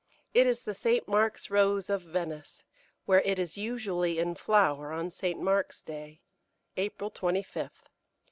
It is the St. Mark's Rose of Venice, where it is usually in flower on St. Mark's Day, April 25th.